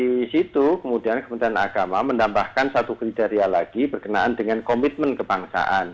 di situ kemudian kementerian agama menambahkan satu kriteria lagi berkenaan dengan komitmen kebangsaan